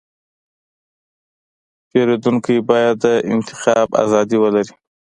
پیرودونکی باید د انتخاب ازادي ولري.